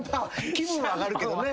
気分は上がるけどね。